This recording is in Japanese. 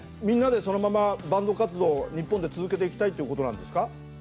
みんなでそのままバンド活動を日本で続けていきたいっていうことなんですか？